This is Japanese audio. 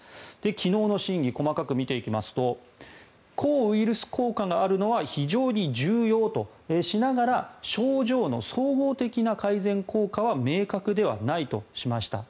昨日の審議細かく見ていきますと抗ウイルス効果があるのは非常に重要としながら症状の総合的な改善効果は明確ではないとしました。